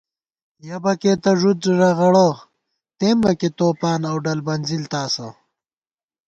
یَہ بَکے تہ ݫُد ݫَغڑہ تېمبَکےتوپان اؤ ڈل بنزِل تاسہ